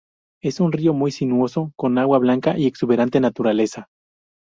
Es un río muy sinuoso, con agua blanca y exuberante naturaleza.